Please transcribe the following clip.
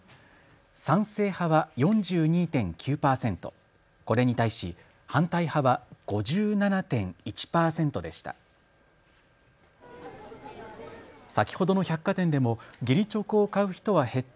賛成派は４２．９％、これに対し反対派は５７．１％でした。